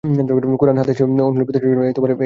কুরআন, হাদিসের অনুলিপি তৈরীর জন্য এই লিপির ব্যবহার হত।